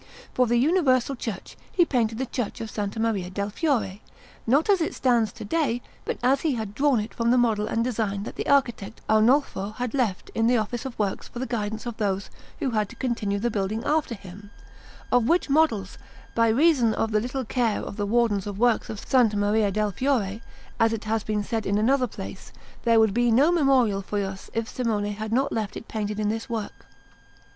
For the Universal Church he painted the Church of S. Maria del Fiore, not as it stands to day, but as he had drawn it from the model and design that the architect Arnolfo had left in the Office of Works for the guidance of those who had to continue the building after him; of which models, by reason of the little care of the Wardens of Works of S. Maria del Fiore, as it has been said in another place, there would be no memorial for us if Simone had not left it painted in this work.